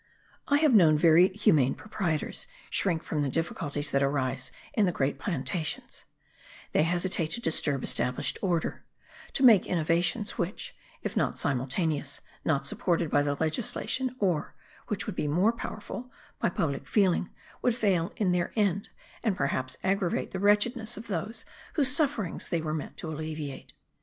I have known very humane proprietors shrink from the difficulties that arise in the great plantations; they hesitate to disturb established order, to make innovations, which, if not simultaneous, not supported by the legislation, or (which would be more powerful) by public feeling, would fail in their end, and perhaps aggravate the wretchedness of those whose sufferings they were meant to alleviate.